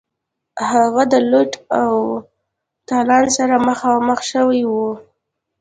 هغه د لوټ او تالان سره مخامخ شوی وای.